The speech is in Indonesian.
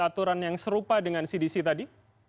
aturan yang serupa dengan cdc tadi